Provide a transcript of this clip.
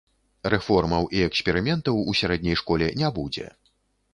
Рэформаў і эксперыментаў у сярэдняй школе не будзе.